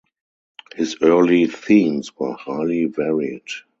His early themes were highly varied.